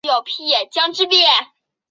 儿子为素性法师。